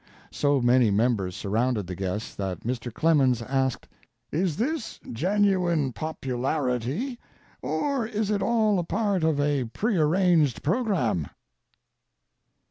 So many members surrounded the guests that Mr. Clemens asked: "Is this genuine popularity or is it all a part of a prearranged programme?"